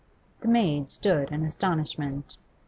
The maid stood in astonishment.